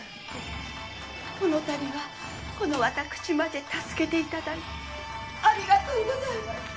このたびはこの私まで助けていただいてありがとうございます。